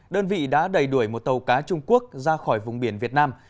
đơn vị đã đẩy đuổi một tàu cá trung quốc ra khỏi vùng biển việt nam